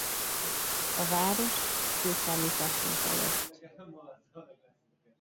A várost i.e.